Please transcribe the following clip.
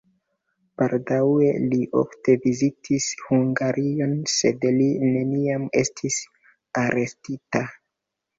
Baldaŭe li ofte vizitis Hungarion, sed li neniam estis arestita.